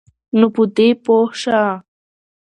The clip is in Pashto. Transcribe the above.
نو په دی پوهه شه